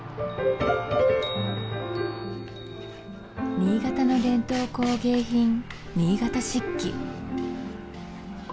新潟の伝統工芸品新潟漆器